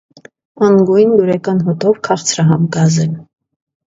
Անգույն, դուրեկան հոտով, քաղցրահամ գազ է։